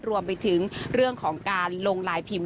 รวมไปถึงเรื่องของการลงลายพิมพ์